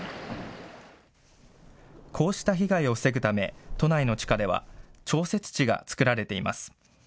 こうした被害を防ぐため都内の地下では調節池が作られています。